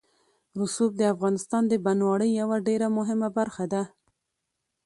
رسوب د افغانستان د بڼوالۍ یوه ډېره مهمه برخه ده.